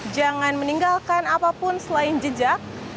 jangan meninggalkan apapun selain jejak